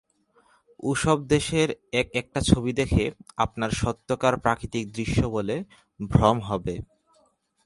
ও-সব দেশের এক একটা ছবি দেখে আপনার সত্যকার প্রাকৃতিক দৃশ্য বলে ভ্রম হবে।